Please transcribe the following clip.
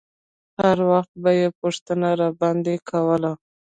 هر وخت به يې پوښتنه راباندې کوله.